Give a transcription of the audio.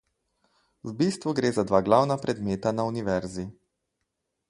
V bistvu gre za dva glavna predmeta na univerzi.